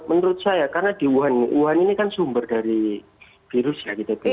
menurut saya karena di wuhan wuhan ini kan sumber dari virus ya kita bilang